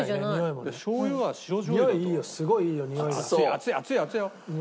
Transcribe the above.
熱い熱い熱いよ。